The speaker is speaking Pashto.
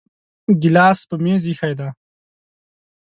ګلاس په میز ایښی دی